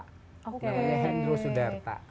namanya hand drawn sudarta